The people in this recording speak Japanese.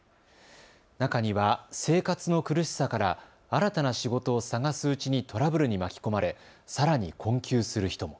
中には生活の苦しさから新たな仕事を探すうちにトラブルに巻き込まれさらに困窮する人も。